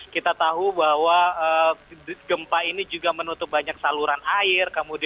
kita tahu bahwa gempa ini juga menutup banyak saluran air